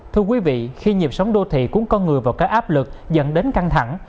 thưa quý vị khi nhịp sóng đô thị cuốn con người vào các áp lực dẫn đến căng thẳng